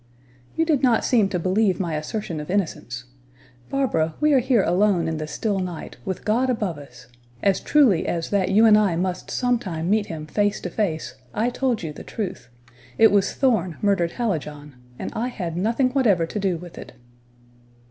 "You did not seem to believe my assertion of innocence. Barbara, we are here alone in the still night, with God above us; as truly as that you and I must sometime meet Him face to face, I told you the truth. It was Thorn murdered Hallijohn, and I had nothing whatever to do with it."